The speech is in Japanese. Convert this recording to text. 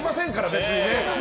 別にね。